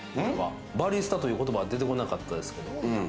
バリスタという言葉は出てこなかったですけれども。